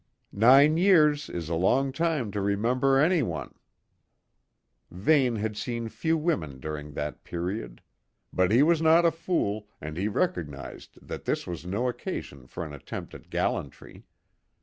"Nine years is a long time to remember any one." Vane had seen few women during that period; but he was not a fool, and he recognised that this was no occasion for an attempt at gallantry.